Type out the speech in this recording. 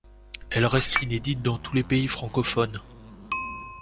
Elle reste inédite dans tous les pays francophones.